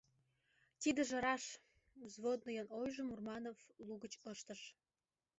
— Тидыже раш, — взводныйын ойжым Урманов лугыч ыштыш.